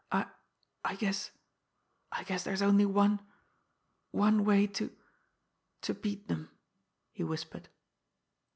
"I I guess I guess there's only one one way to to beat them," he whispered.